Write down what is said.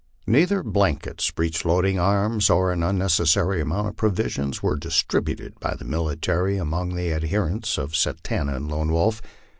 Neither blankets, breech loading arms, nor an unneces sary amount of provisions were distributed by the military among the adherents of Satanta and Lone Wolf.